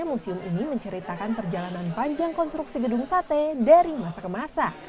museum ini menceritakan perjalanan panjang konstruksi gedung sate dari masa ke masa